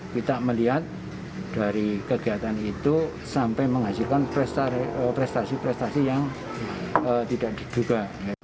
kita melihat dari kegiatan itu sampai menghasilkan prestasi prestasi yang tidak diduga